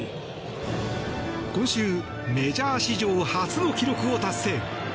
今週メジャー史上初の記録を達成。